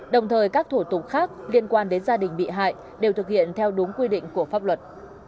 đồng thời các thủ tục khác liên quan đến gia đình bị hại đều thực hiện theo đúng quy định của pháp luật